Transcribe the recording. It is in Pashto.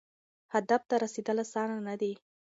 هدف ته رسیدل اسانه نه دي.